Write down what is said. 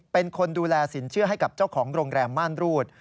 เป็นคนดูแลสินเชื่อให้กับเจ้าของโรงแรมม่านรูด